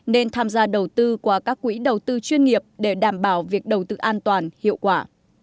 nên tham gia đầu tư qua các quỹ đầu tư chuyên nghiệp để đảm bảo việc đầu tư an toàn hiệu quả